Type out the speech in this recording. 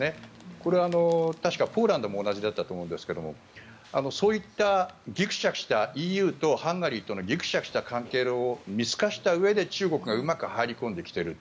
これはポーランドも同じだったと思うんですがそういったぎくしゃくしたＥＵとハンガリーのぎくしゃくした関係を見透かしたうえで中国がうまく入り込んできている。